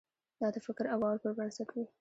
دا د فکر او باور پر بنسټ وي.